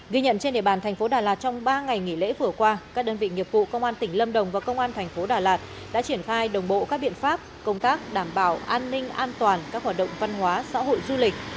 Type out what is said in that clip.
ghi nhận trên địa bàn thành phố đà lạt trong ba ngày nghỉ lễ vừa qua các đơn vị nghiệp vụ công an tỉnh lâm đồng và công an thành phố đà lạt đã triển khai đồng bộ các biện pháp công tác đảm bảo an ninh an toàn các hoạt động văn hóa xã hội du lịch